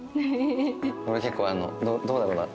俺結構あのどうだろうな。